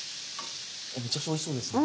めちゃくちゃおいしそうですね。